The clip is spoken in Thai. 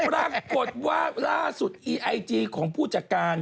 ปรากฏว่าล่าสุดอีไอจีของผู้จัดการ